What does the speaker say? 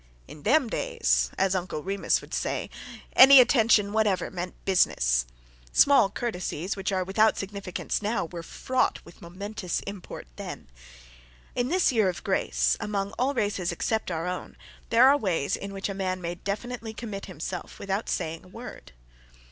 [Sidenote: Without Saying a Word] "In dem days," as Uncle Remus would say, any attention whatever meant business. Small courtesies which are without significance now were fraught with momentous import then. In this year of grace, among all races except our own, there are ways in which a man may definitely commit himself without saying a word.